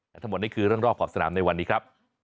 และทั้งหมดนี้คือเรื่องรอบขอบสนามในวันนี้ครับ